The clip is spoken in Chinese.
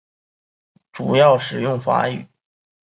主要使用法语。